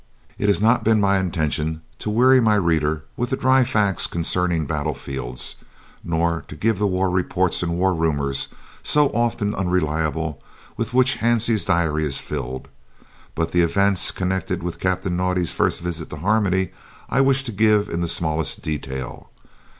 It has not been my intention to weary my reader with dry facts concerning battlefields, nor to give the war reports and war rumours, so often unreliable, with which Hansie's diary is filled, but the events connected with Captain Naudé's first visit to Harmony I wish to give in the smallest detail.